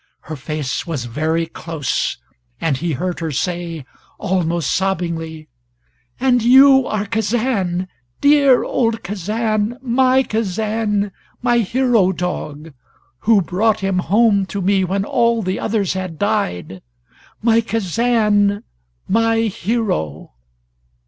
Her face was very close, and he heard her say, almost sobbingly: "And you are Kazan dear old Kazan, my Kazan, my hero dog who brought him home to me when all the others had died! My Kazan my hero!"